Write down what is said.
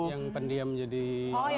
yang pendiam jadi aktif